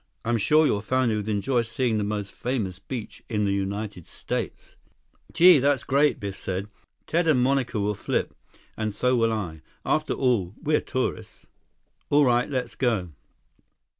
I'm sure your family will enjoy seeing the most famous beach in the United States." 29 "Gee, that's great," Biff said. "Ted and Monica will flip. And so will I. After all, we're tourists." "All right, let's go."